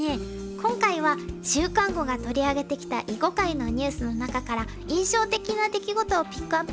今回は「週刊碁」が取り上げてきた囲碁界のニュースの中から印象的な出来事をピックアップしました。